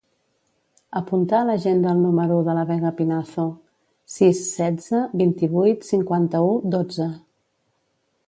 Apunta a l'agenda el número de la Vega Pinazo: sis, setze, vint-i-vuit, cinquanta-u, dotze.